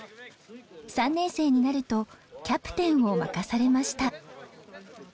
３年生になるとキャプテンを任されました。